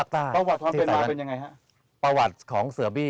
ทุกหุ่นไหมครับ